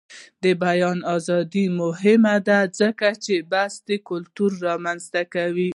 د بیان ازادي مهمه ده ځکه چې د بحث کلتور رامنځته کوي.